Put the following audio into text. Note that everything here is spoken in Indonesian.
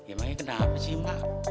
emang ini kenapa sih mak